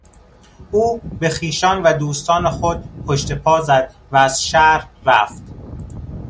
او به خویشان و دوستان خود پشت پا زد و از شهر رفت.